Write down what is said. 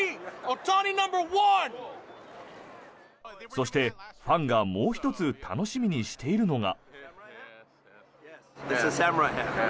そして、ファンがもう１つ楽しみにしているのが。